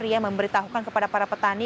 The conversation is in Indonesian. yang memberitahukan kepada para petani